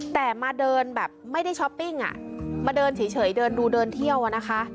แต่มาเดินแบบไม่ได้ช้อปปิ้งอ่ะมาเดินเฉยเดินดูเดินเที่ยวอะนะคะ